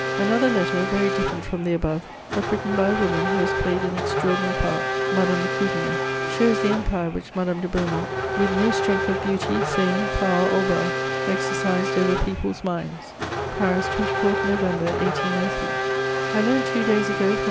] Another letter, very different from the above, but written by a woman who has played an extraordinary part, Madame de Krüdener, shows the empire which Madame de Beaumont, with no strength of beauty, fame, power, or wealth, exercised over people's minds: "PARIS, 24 November 1803. "I learnt two days ago from M.